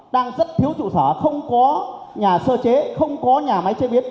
đang rất thiếu trụ sở không có nhà sơ chế không có nhà máy chế biến